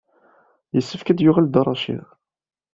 Yessefk ad d-yuɣal Dda Racid.